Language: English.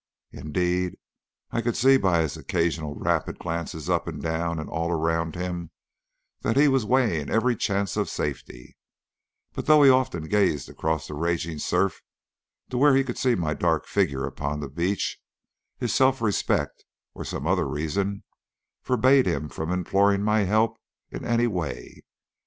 Indeed, I could see by his occasional rapid glances up and down and all around him that he was weighing every chance of safety, but though he often gazed across the raging surf to where he could see my dark figure upon the beach, his self respect or some other reason forbade him from imploring my help in any way.